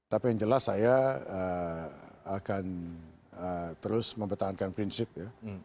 tapi yang jelas saya akan terus mempertahankan prinsip ya